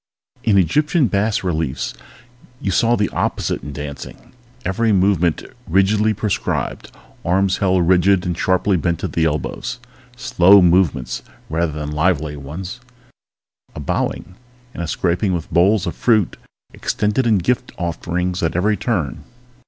In Egyptian bas reliefs you saw the opposite in dancing. Every movement rigidly prescribed, arms held rigid and sharply bent at the elbows. Slow movements rather than lively ones, a bowing and a scraping with bowls of fruit extended in gift offerings at every turn.